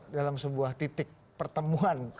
dalam sebuah titik pertemuan